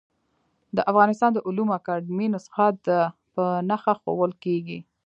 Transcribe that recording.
د افغانستان د علومو اکاډيمۍ نسخه د ع په نخښه ښوول کېږي.